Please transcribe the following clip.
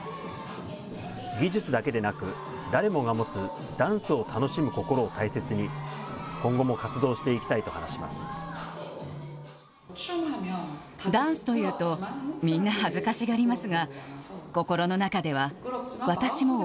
技術だけでなく、誰もが持つダンスを楽しむ心を大切に、今後も活動していきたいと話します。